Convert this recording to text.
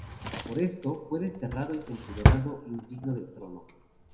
Por esto, fue desterrado y considerado indigno del trono.